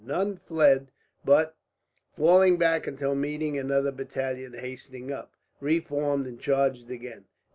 None fled but, falling back until meeting another battalion hastening up, reformed and charged again.